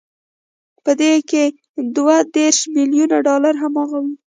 په دې کې دوه دېرش ميليونه ډالر هماغه وو.